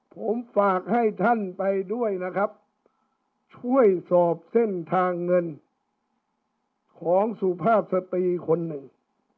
ผมฝากให้ท่านไปด้วยนะครับช่วยสอบเส้นทางเงินของสุภาพสตรีคนหนึ่ง